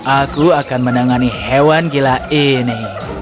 aku akan menangani hewan gila ini